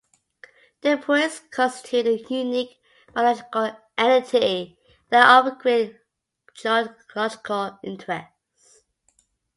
The tepuis constitute a unique biogeological entity and are of great geological interest.